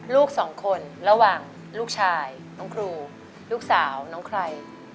ลูกสองคนระหว่างลูกชายน้องครูลูกสาวน้องใคร